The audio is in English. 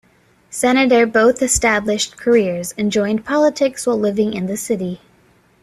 Senator both established careers and joined politics while living in the city.